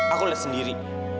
aku lihat sendiri